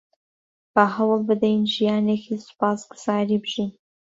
با هەوڵ بدەین ژیانێکی سوپاسگوزاری بژین.